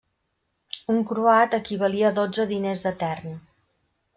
Un croat equivalia a dotze diners de tern.